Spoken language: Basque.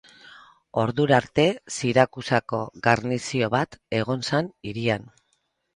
Ordura arte, Sirakusako garnizio bat egon zen hirian.